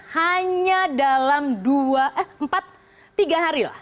hanya dalam dua eh empat tiga hari lah